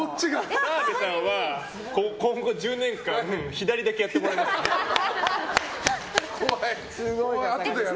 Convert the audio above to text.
澤部さんは、これから１０年間左だけやってもらいましょう。